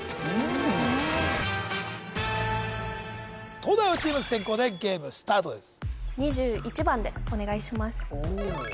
東大王チーム先攻でゲームスタートです